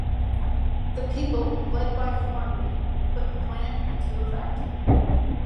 The people, led by Fornri, put the Plan into effect.